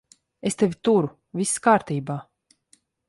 Es tevi turu. Viss kārtībā.